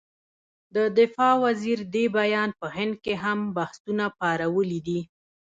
د دفاع وزیر دې بیان په هند کې هم بحثونه پارولي دي.